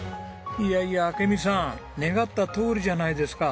いやいや明美さん願ったとおりじゃないですか。